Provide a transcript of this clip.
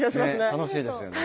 楽しいですよね。